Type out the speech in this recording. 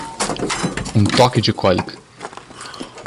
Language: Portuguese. Um toque de cólica.